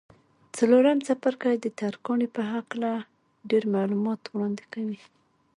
څلورم څپرکی د ترکاڼۍ په هکله ډېر معلومات وړاندې کوي.